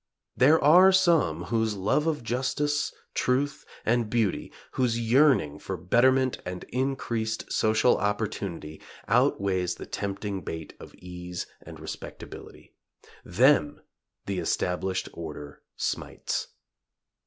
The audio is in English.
There are some whose love of justice, truth and beauty; whose yearning for betterment and increased social opportunity, outweighs the tempting bait of ease and respectability. Them the established order smites.